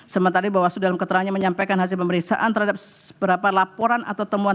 sementara bawaslu dalam keterangannya menyampaikan hasil pemeriksaan terhadap beberapa laporan atau temuan